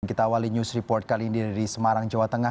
kita awali news report kali ini dari semarang jawa tengah